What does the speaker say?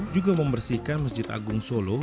juga membersihkan masjid agung solo